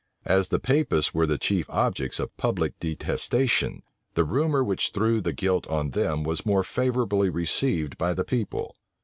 As the Papists were the chief objects of public detestation, the rumor which threw the guilt on them was more favorably received by the people.